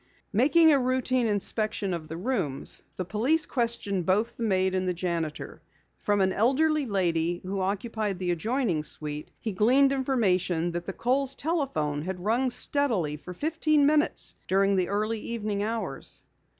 Making a routine inspection of the rooms, the police questioned both the maid and the janitor. From an elderly lady who occupied the adjoining suite he gleaned information that the Kohls' telephone had rung steadily for fifteen minutes during the early evening hours.